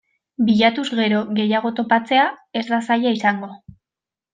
Bilatuz gero gehiago topatzea ez da zaila izango.